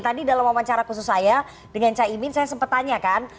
tadi dalam wawancara khusus saya dengan caimin saya sempat tanya kan